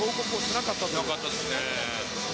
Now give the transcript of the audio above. なかったですね。